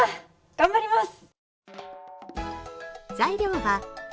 頑張ります。